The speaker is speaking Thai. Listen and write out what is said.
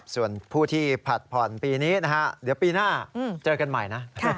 ส่วนผู้ที่ผัดผ่อนปีนี้นะฮะเดี๋ยวปีหน้าเจอกันใหม่นะ